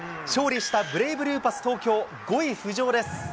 勝利したブレイブルーパス東京、５位浮上です。